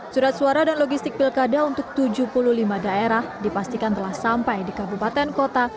surat suara dan logistik pilkada untuk tujuh puluh lima daerah dipastikan telah sampai di kabupaten kota